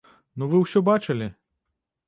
Ну вы ўсё бачылі.